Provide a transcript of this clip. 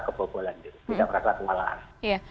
kebobolan tidak merasa kewalahan